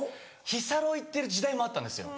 日サロ行ってる時代もあったんですよ。